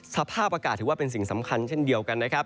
สภาพอากาศถือว่าเป็นสิ่งสำคัญเช่นเดียวกันนะครับ